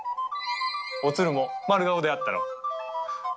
お鶴も丸顔であったろう。